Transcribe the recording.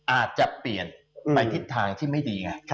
อาจจะเปลี่ยนไปทิศทางที่ไม่ดีไง